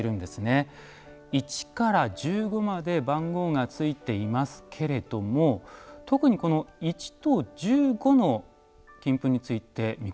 一から十五まで番号が付いていますけれども特にこの一と十五の金粉について見比べてみましょう。